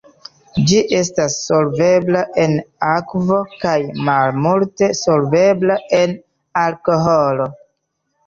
Ĝi estas solvebla en akvo kaj malmulte solvebla en alkoholo.